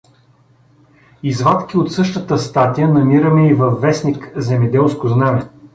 Извадки от същата статия намираме и във в. „Земеделско знаме“.